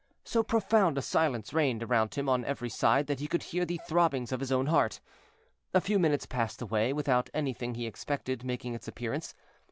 So profound a silence reigned around him on every side that he could hear the throbbings of his own heart. A few minutes passed away without anything he expected making its appearance.